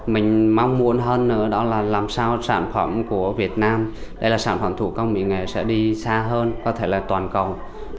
mình mong muốn hơn nữa đó là làm sao sản phẩm của việt nam đây là sản phẩm thủ công mỹ nghệ sẽ đi xa hơn có thể là toàn cầu